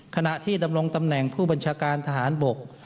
ขณะที่ดำรงตำแหน่งผู้บัญชาการทหารบก